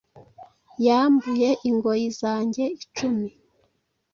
Yambuye ingoyi zanjye icumi